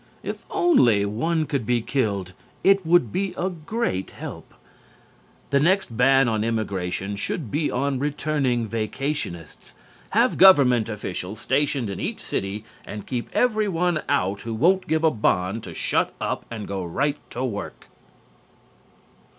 If only one could be killed it would be a great help. The next ban on immigration should be on returning vacationists. Have government officials stationed in each city and keep everyone out who won't give a bond to shut up and go right to work.